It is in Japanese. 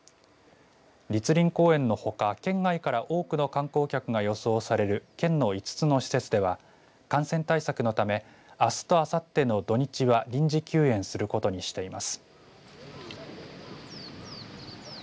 栗林公園のほか、県外から多くの観光客が予想される県の５つの施設では感染対策のためあすとあさっての土日は臨時休園することにしています。